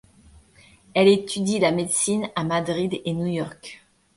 Elle étudie la médecine à Madrid et New York.